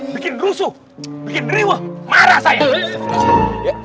bikin rusuh bikin riwuh marah saya